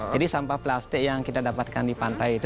jadi sampah plastik yang kita dapatkan di pantai itu